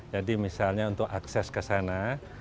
jadi misalnya untuk akses ke sana